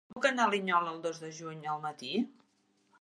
Com puc anar a Linyola el dos de juny al matí?